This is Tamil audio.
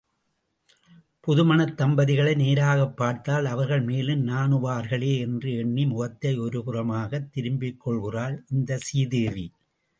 புதுமணத் தம்பதிகளை நேராகப் பார்த்தால் அவர்கள் மேலும் நாணுவார்களே என்று எண்ணி முகத்தை ஒருபுறமாகத் திருப்பிக்கொள்கிறாள் இந்த சீதேவி.